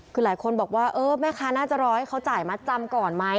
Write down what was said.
คือหลายคนบอกว่าเออแม่ค้าน่าจะรอให้เขาจ่ายมัดจำก่อนไหม